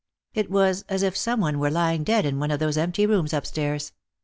It was as if some one were lying dead in one of those empty rooms up stairs.